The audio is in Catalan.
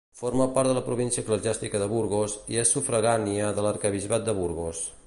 Forma part de la província eclesiàstica de Burgos, i és sufragània de l'arquebisbat de Burgos.